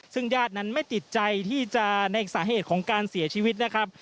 ซึ่งญาตินั้นไม่ติดใจที่จะในสาเหตุของการเสียชีวิตนะครับ